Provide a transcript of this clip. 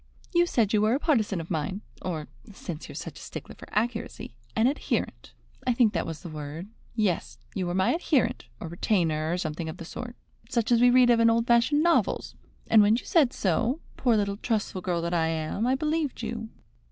You said you were a partisan of mine, or, since you are such a stickler for accuracy, an adherent I think that was the word yes, you were my adherent, or retainer, or something of the sort, such as we read of in old fashioned novels, and when you said so, poor little trustful girl that I am, I believed you."